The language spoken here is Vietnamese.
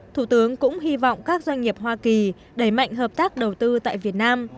thủ tướng cũng hy vọng các doanh nghiệp hoa kỳ đẩy mạnh hợp tác đầu tư tại việt nam